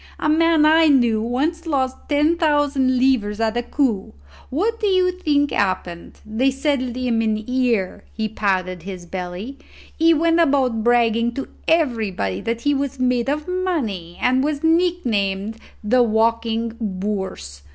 "A man I knew once lost ten thousand livres at a coup. What do you think happened? They settled in him here;" he patted his belly: "he went about bragging to everybody that he was made of money, and was nicknamed the walking bourse.